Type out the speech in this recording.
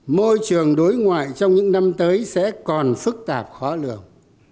môi trường đối ngoại trong những năm tới sẽ còn phức tạp khó lượng